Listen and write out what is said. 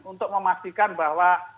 untuk memastikan bahwa